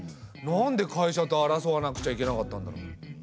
なんで会社と争わなくちゃいけなかったんだろう？